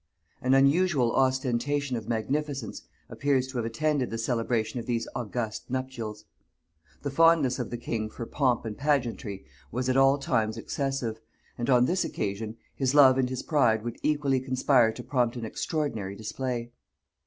An unusual ostentation of magnificence appears to have attended the celebration of these august nuptials. The fondness of the king for pomp and pageantry was at all times excessive, and on this occasion his love and his pride would equally conspire to prompt an extraordinary display.